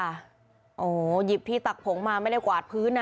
โอ้โหหยิบที่ตักผงมาไม่ได้กวาดพื้นนะ